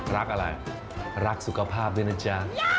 รักอะไรรักสุขภาพด้วยนะจ๊ะ